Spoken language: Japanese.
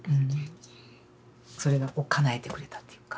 それをかなえてくれたっていうか。